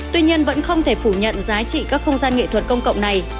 tuy nhiên vẫn không thể phủ nhận giá trị các không gian nghệ thuật công cộng này